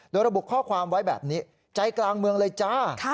โดยระบุข้อความไว้แบบนี้ใจกลางเมืองเลยจ้า